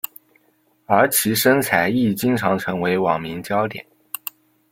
而其身材亦经常成为网民焦点。